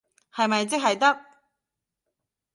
係咪即係得？